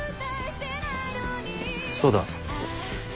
そうだ。